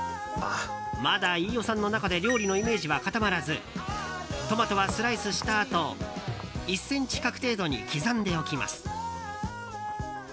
まだ飯尾さんの中で料理のイメージは固まらずトマトはスライスしたあと１ｃｍ角程度に刻んでおきます。